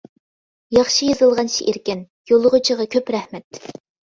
ياخشى يېزىلغان شېئىركەن، يوللىغۇچىغا كۆپ رەھمەت.